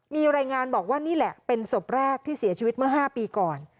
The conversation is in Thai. มีรายงานบอกว่านี่แหละเป็นศพแรกที่เสียชีวิตเมื่อ๕ปีก่อน